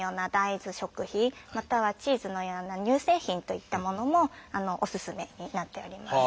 またはチーズのような乳製品といったものもおすすめになっております。